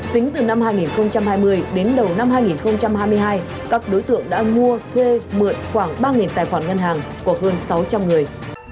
tính từ năm hai nghìn hai mươi đến đầu năm hai nghìn hai mươi hai các đối tượng đã mua thuê mượn khoảng ba tài khoản ngân hàng của hơn sáu trăm linh người